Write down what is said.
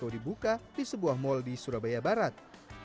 mayoritas pelanggan laraya adalah masyarakat kalangan menengah atas